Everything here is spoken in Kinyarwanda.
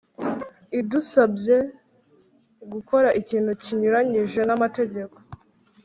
idusabye gukora ikintu kinyuranyije n amategeko